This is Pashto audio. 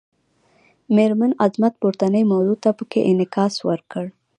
میرمن عظمت پورتنۍ موضوع ته پکې انعکاس ورکړی.